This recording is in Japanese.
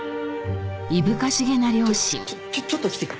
ちょちょっと来てくれ。